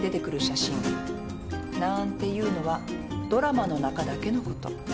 なんていうのはドラマの中だけのこと。